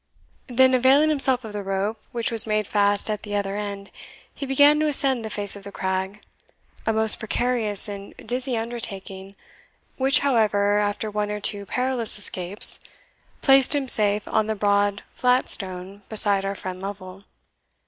Then, availing himself of the rope, which was made fast at the other end, he began to ascend the face of the crag a most precarious and dizzy undertaking, which, however, after one or two perilous escapes, placed him safe on the broad flat stone beside our friend Lovel.